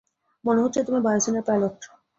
মনে হচ্ছে তুমি বায়োসিনের পাইলট।